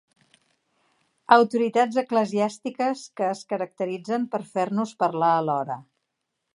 Autoritats eclesiàstiques que es caracteritzen per fer-nos parlar alhora.